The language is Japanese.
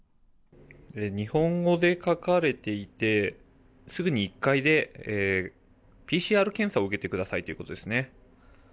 日本語で書かれていて、すぐに１階でＰＣＲ検査を受けてくださいということですね。